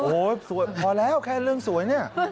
โอ้โหพอแล้วแค่เรื่องสวยเนี่ย